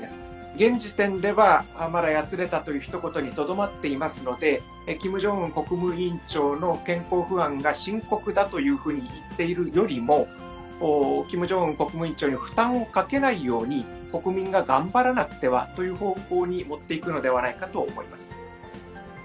現時点では、まだやつれたというひと言にとどまっていますので、キム・ジョンウン国務委員長の健康不安が深刻だというふうにいっているよりも、キム・ジョンウン国務委員長に負担をかけないように、国民が頑張らなくてはという方向に持っていくのではないかと思います。